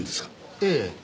ええ。